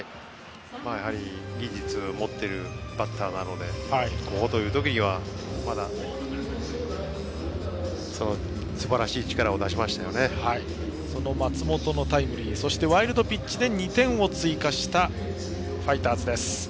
やはり技術を持っているバッターなのでここという時にはその松本のタイムリーそしてワイルドピッチで２点を追加したファイターズです。